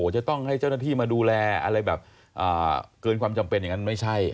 จะต้องให้เจ้าหน้าที่มาดูแลอะไรแบบเกินความจำเป็นอย่างนั้นไม่ใช่